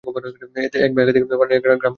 এক বা একাধিক পাড়া নিয়ে গ্রাম গঠিত হতে পারে।